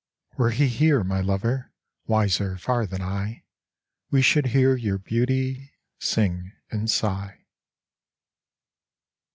Were he here, my lover, Wiser far than I, We should hear your beauty Sing and sigh.